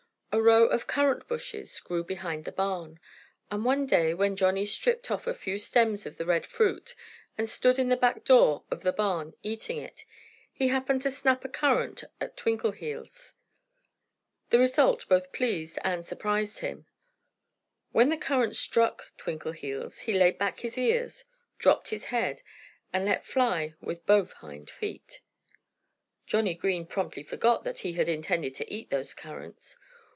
A row of currant bushes grew behind the barn. And one day when Johnnie stripped off a few stems of the red fruit and stood in the back door of the barn, eating it, he happened to snap a currant at Twinkleheels. The result both pleased and surprised him. When the currant struck Twinkleheels he laid back his ears, dropped his head, and let fly with both hind feet. Johnnie Green promptly forgot that he had intended to eat those currants.